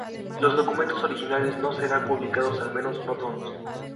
Los documentos originales no serán publicados, al menos, no todos.